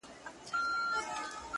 د عشق اور يې نور و عرش ته په پرواز دی~